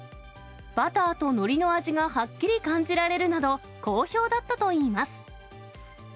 バターとのりの味がはっきり感じられるなど、好評だったといいます。